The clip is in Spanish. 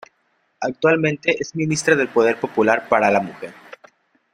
Actualmente es ministra del Poder Popular para la Mujer.